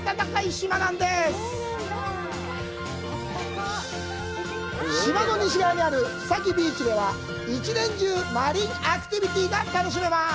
島の西側にあるフサキビーチでは１年中、マリン・アクティビティが楽しめます。